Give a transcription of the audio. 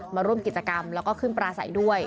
มาร่วมกิจกรรมแล้วก็ขึ้นปลาใสด้วย